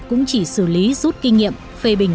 cũng chỉ xử lý rút kinh nghiệm phê bình